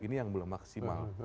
ini yang belum maksimal